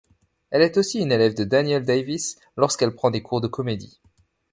Elle est aussi une élève de Daniel Davis lorsqu'elle prend des cours de comédie.